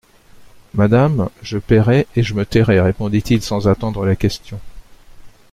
Madame, je payerai et je me tairai, répondit-il sans attendre la question.